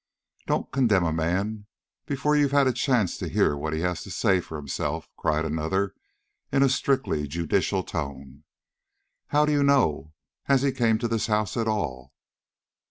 "Don't condemn a man before you've had a chance to hear what he has to say for himself," cried another in a strictly judicial tone. "How do you know as he came to this house at all?"